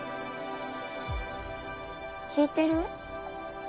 聞いてる？